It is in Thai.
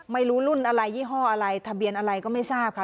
ไม่รู้รุ่นอะไรยี่ห้ออะไรทะเบียนอะไรก็ไม่ทราบค่ะ